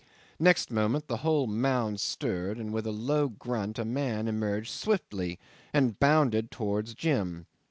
Next moment the whole mound stirred, and with a low grunt a man emerged swiftly, and bounded towards Jim.